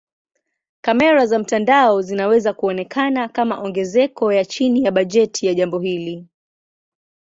Kamera za mtandao zinaweza kuonekana kama ongezeko ya chini ya bajeti ya jambo hili.